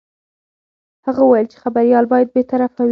هغه وویل چې خبریال باید بې طرفه وي.